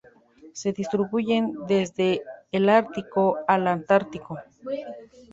Se distribuyen desde el Ártico al Antártico.